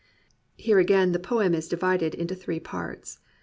Here again the poem is divided into three parts.